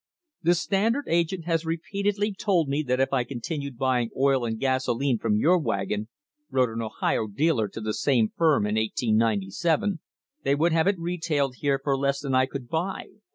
"The Standard agent has re peatedly told me that if I continued buying oil and gasoline from your wagon," wrote an Ohio dealer to the same firm in 1897, "they would have it retailed here for less than I could buy.